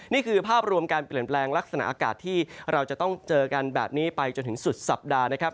นี่คือภาพรวมการเปลี่ยนแปลงลักษณะอากาศที่เราจะต้องเจอกันแบบนี้ไปจนถึงสุดสัปดาห์นะครับ